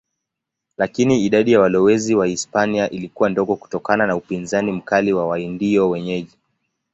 Lakini idadi ya walowezi Wahispania ilikuwa ndogo kutokana na upinzani mkali wa Waindio wenyeji.